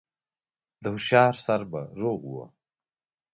د هوښيار سر به روغ و